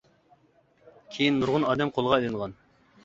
كېيىن نۇرغۇن ئادەم قولغا ئېلىنغان.